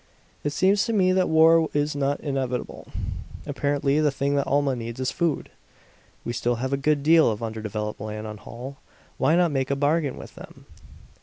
"It seems to me that war is not inevitable. Apparently the thing that Alma needs is food. We still have a good deal of underdeveloped land on Holl; why not make a bargain with them?"